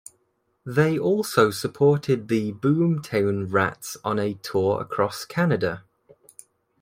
They also supported the Boomtown Rats on a tour across Canada.